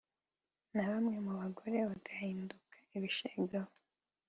na bamwe mu bagore bagahinduka ibishegabo